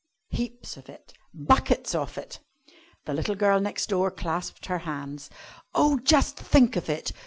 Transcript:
"Heaps of it buckets of it." The little girl next door clasped her hands. "Oh, just think of it!